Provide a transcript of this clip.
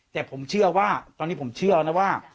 แต่ผมเชื่อว่าตอนนี้ผมเชื่อนะว่า